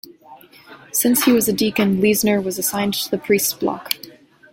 Since he was a deacon, Leisner was assigned to the priests' block.